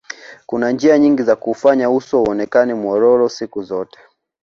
kuna njia nyingi za kuufanya uso uonekane mwororo siku zote